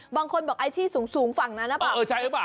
บางคนบอกไอ้ชี้สูงฝั่งนั้นใช่หรือเปล่า